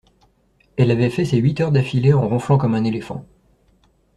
Elle avait fait ses huit heures d’affilée en ronflant comme un éléphant.